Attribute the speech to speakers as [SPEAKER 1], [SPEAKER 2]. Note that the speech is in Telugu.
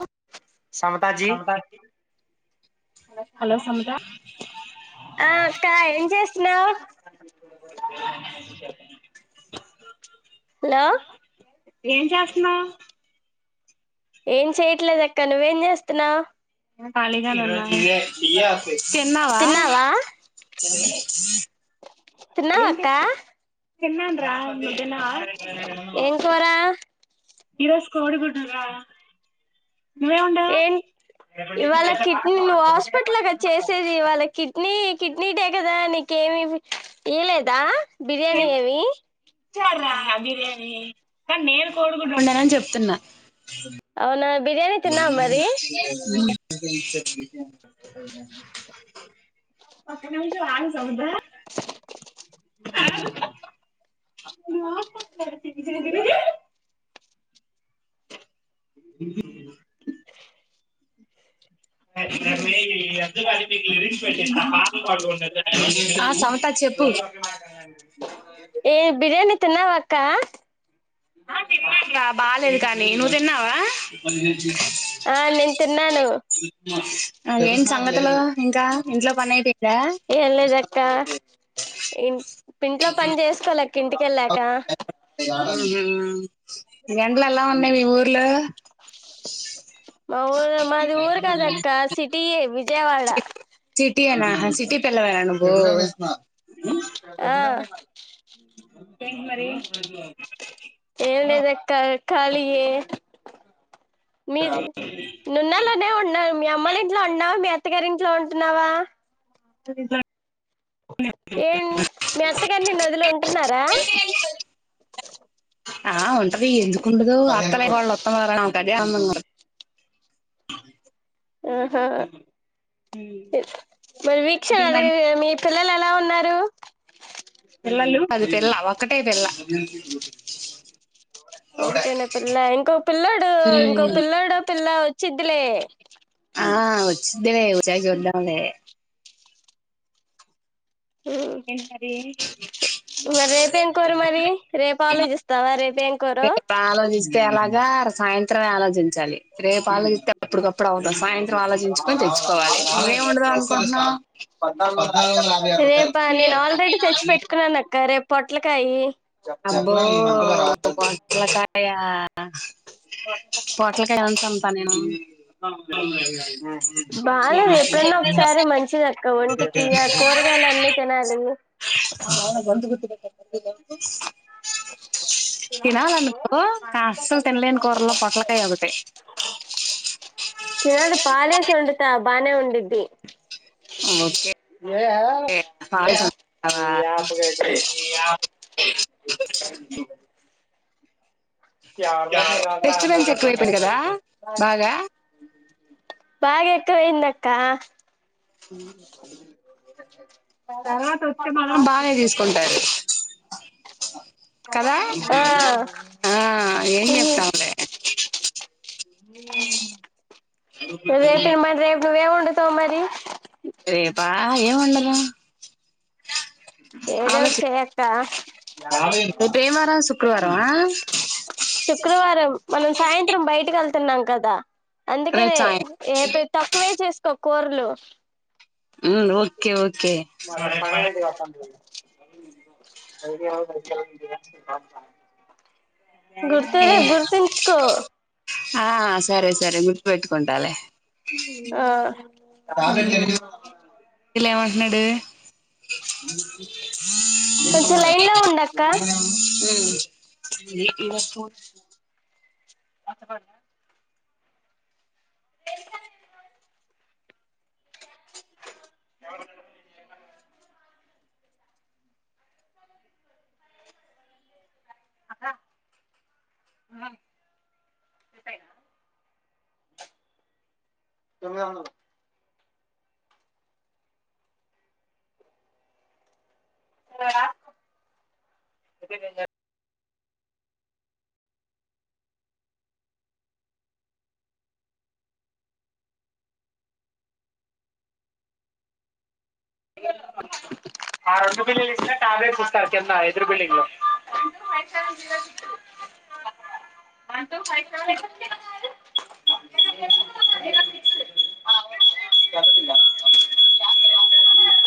[SPEAKER 1] సమతాజీ
[SPEAKER 2] హలో సమత
[SPEAKER 1] ఆ అక్క ఏం చేస్తున్నావు హలో
[SPEAKER 2] ఏం చేస్తున్నావు
[SPEAKER 1] ఏం చేయట్లేద అక్క నువ్వేం చేస్తున్నావ్
[SPEAKER 2] ఖాళీగా
[SPEAKER 1] తిన్నావా తిన్నావ
[SPEAKER 2] ఏంటి
[SPEAKER 1] అక్క
[SPEAKER 2] తిన్నాను రా మీరు తిన్నావ
[SPEAKER 1] ఏం కూర
[SPEAKER 2] ఈరోజు కొడిగుడ్డు రా ఏమ్ ఉండ
[SPEAKER 1] ఏం ఇవాళ కిడ్నీ నువ్వు హాస్పిటల్గా చేసేది ఇవాళ కిడ్నీ కిడ్నీ టే కదా నీకి ఏమి ఇయలేదా బిర్యానీ
[SPEAKER 2] ఏం
[SPEAKER 1] ఏమి
[SPEAKER 2] కానీ నేను కోడిగుడ్లు ఉండనాని చెప్తున్నా
[SPEAKER 1] అవునా బిర్యానీ తిన్నావా మరి
[SPEAKER 2] ఒక్క నిమిషం అయి సంధ్య [unintelligible] మార్కెట్ [unintelligible] ఉరికే ఉన్నా ఆ సమత చెప్ చెప్పు
[SPEAKER 1] ఏ బిర్యానీ తిన్నావా అక్క
[SPEAKER 2] ఆ తిన్నాగా బాలింత అని నువ్వు తిన్నావా
[SPEAKER 1] ఆ నేను తిన్నాను
[SPEAKER 2] ఏం సంగతలో ఇంకా ఇంట్లో పని అయిపోయిందా
[SPEAKER 1] ఏం లేదక్క ఇ ఇంట్లో పని చేసుకోవాలి ఇంటికి ఎళ్ళాక
[SPEAKER 2] [unintelligible] ఎలా ఉన్నాయి మీ ఊరు
[SPEAKER 1] మా ఊరు మాది ఊరు కాదక్క సిటీయే విజయవాడ
[SPEAKER 2] సిటీనా సిటీ పిల్లవా నువు
[SPEAKER 1] ఆ
[SPEAKER 2] ఇంకేంటి మరి
[SPEAKER 1] క కాలియే మీరు నున్నలోనే ఉన్నా మీ అమ్మలు ఇంట్లో ఉన్నావా మీ అత్తగారి ఇంట్లో ఉంటున్నావా
[SPEAKER 2] రి జ
[SPEAKER 1] ఏం మీ అత్తగని నిన్ను వదిలి ఉంటున్నారా
[SPEAKER 2] ఆ ఉంటది ఎందుకు ఉండదు అత్త లేని కోడలు ఉత్తమురాలు అంటర్ గే అందంగా ఉంటది
[SPEAKER 1] ఆహా మరి వీక్ష అడగ మీ పిల్లలు ఎలా ఉన్నారు
[SPEAKER 2] పిల్లలు మాది పిల్ల ఒక్కటే పిల్ల
[SPEAKER 1] ఒకటేనా పిల్ల ఇంకొక పిల్లడు ఇంకోక పిల్లడు పిల్ల వచ్చిద్లే
[SPEAKER 2] ఆ వచ్చిద్దిలే వచ్చాక చూద్దాం లే
[SPEAKER 1] మ్
[SPEAKER 2] ఏంటి మరి
[SPEAKER 1] ఇంగ రేపేం కూర మరి రేపు ఆలోచిస్తావా రేపు
[SPEAKER 2] రేప్ ఆలోచిస్తే ఎలాగా సాయంత్రమే ఆలోచిం చాలి రేపు ఆలోచిస్తే అప్పుటికప్పుడు అవ్వదు సాయంత్రం ఆలోచించుకొని తెచ్చుకోవాలి నువ్వేం వండుదాం అనుకుంటున్నావ్ పద్నాలుగు వందల నాలు
[SPEAKER 1] రేపా నేను ఆల్రెడీ తెచ్చి
[SPEAKER 2] అరవఐ
[SPEAKER 1] పెట్టుకున్నాను అక్క రేపు పొట్లకాయి
[SPEAKER 2] అబ్బో పొట్లకాయా పొట్లకాయ ఏమన్నా అమ్ముతా నేను
[SPEAKER 1] బాలేదు ఎప్పుడన్నా ఒకసారి మంచిది అక్క ఒంటికి కూరగాయ యలు అన్నీ తినాలి
[SPEAKER 2] ఆ గొంతు గుర్తుపట్టాలి [unintelligible] తినాలనుకో కాసలు తినలేని కూరల్లో పొట్టలకాయ ఒకటి
[SPEAKER 1] నేనైతే పాలేసి వండుతా బానే ఉండిద్ది
[SPEAKER 2] ఓకే కే తవా
[SPEAKER 1] ఎవదో మీల ఉంత
[SPEAKER 2] డిస్టబెన్స్
[SPEAKER 1] అంతర్గా తెసా
[SPEAKER 2] ఎక్కువైపోయింది కదా బాగా
[SPEAKER 1] బాగా ఎకువెయిందక్క
[SPEAKER 2] మ్
[SPEAKER 1] బరాతే మన బగా నిడ
[SPEAKER 2] తీసుకుంటారు కదా ఆ ఏం చెప్తాములేే
[SPEAKER 1] రేపేమన్ రేపు నువ్వేం వండుతావ్ మరి
[SPEAKER 2] రేపా ఏం వండుదాం
[SPEAKER 1] ఏదోటి చేయక్క
[SPEAKER 2] రేపు ఏం వారం శుక్రవారమా
[SPEAKER 1] శుక్రవారం మనం సాయంత్రం బయటీ కెల్ తున్నాం కదా
[SPEAKER 2] రేపు
[SPEAKER 1] అందుకనే
[SPEAKER 2] సాయం
[SPEAKER 1] ఏ తక్కువే చేసుకో కూరలు
[SPEAKER 2] ఉమ్ ఓకే ఓకే
[SPEAKER 1] మరి ఫనీడిత అ క
[SPEAKER 2] ఆ సరే సరే గుర్తు పెట్టుకుంటాలే
[SPEAKER 1] ఆ
[SPEAKER 2] ఎన్నడు
[SPEAKER 1] కొంచెం లైన్ లో ఉండక్క
[SPEAKER 2] ఫోర్
[SPEAKER 1] అత పడ
[SPEAKER 2] ఇ
[SPEAKER 1] అద్ద ఉన్నాయి ఉంటాయి తొమ్మిది వందలు తీర్గడ ఇయల్ల మని ఆ రెండు బిల్లులు ఇస్తే టాబ్లెట్స్ ఇస్తారు కింద ఎదురు బిల్డింగ్లో వన్ టు ఫై సెవెన్
[SPEAKER 2] అ
[SPEAKER 1] ఎంత బిళ్ల యాబై రా